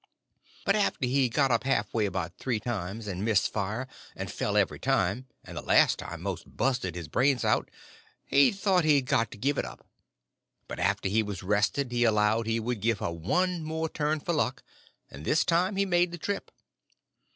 But after he got up half way about three times, and missed fire and fell every time, and the last time most busted his brains out, he thought he'd got to give it up; but after he was rested he allowed he would give her one more turn for luck, and this time he made the trip.